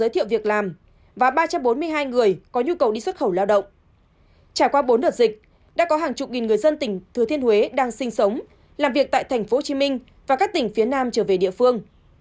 trải qua bốn đợt dịch đã có hàng chục nghìn người dân tỉnh thừa thiên huế đang sinh sống làm việc tại tp hcm và các tỉnh phía nam trở về địa phương